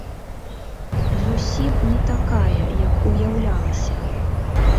Зусім не такая, як уяўлялася.